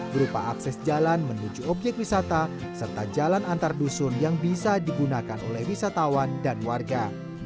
berupa akses jalan menuju objek wisata serta jalan antar dusun yang bisa digunakan oleh wisatawan dan warga